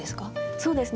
そうですね。